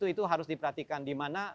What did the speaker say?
itu harus diperhatikan dimana